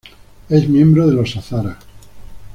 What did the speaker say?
Es miembro de los Hazara.